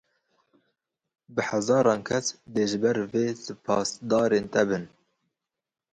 Bi hezaran kes dê ji ber vê spasdarên te bin.